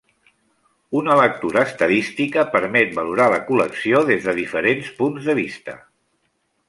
Una lectura estadística permet valorar la col·lecció des de diferents punts de vista.